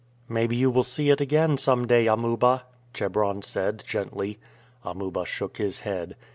"Maybe you will see it again some day, Amuba," Chebron said gently. Amuba shook his head.